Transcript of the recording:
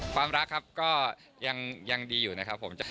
ความรักครับก็ยังดีอยู่นะครับผม